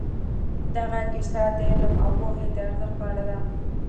دغه کیسه د علم او پوهې د ارزښت په اړه ده.